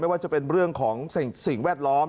มีความหมั่นใจของสิ่งแหลบน้อง